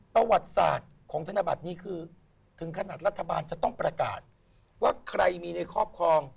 ประวัติศาสตร์ของธนบัตรนี้คือถึงขนาดรัฐบาลจะต้องประกาศว่าใครมีในครอบครอง